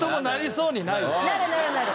なるなるなる。